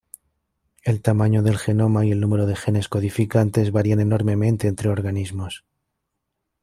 El tamaño del genoma y el número de genes codificantes varían enormemente entre organismos.